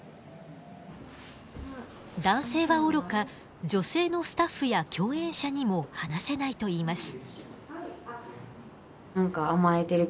男性はおろか女性のスタッフや共演者にも話せないといいます。